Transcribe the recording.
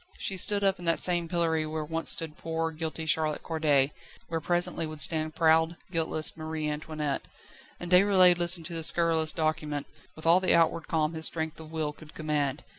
She stood up in that same pillory where once stood poor, guilty Charlotte Corday, where presently would stand proud, guiltless Marie Antoinette. And Déroulède listened to the scurrilous document, with all the outward calm his strength of will could command.